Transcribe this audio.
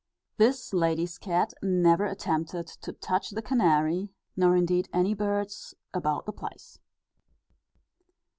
This lady's cat never attempted to touch the canary, nor indeed any birds about the place.